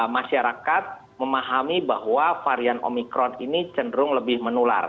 masyarakat memahami bahwa varian omikron ini cenderung lebih menular